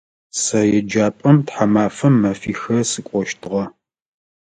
Сэ еджапӏэм тхьамафэм мэфихэ сыкӏощтыгъэ.